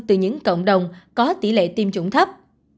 từ những cộng đồng có tỷ lệ tiêm chủng thấp